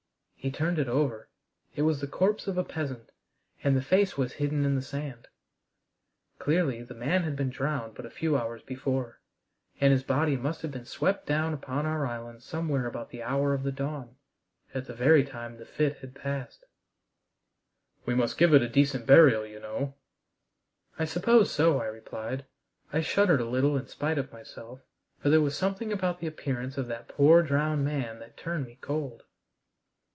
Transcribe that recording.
He turned it over. It was the corpse of a peasant, and the face was hidden in the sand. Clearly the man had been drowned but a few hours before, and his body must have been swept down upon our island somewhere about the hour of the dawn at the very time the fit had passed. "We must give it a decent burial, you know." "I suppose so," I replied. I shuddered a little in spite of myself, for there was something about the appearance of that poor drowned man that turned me cold.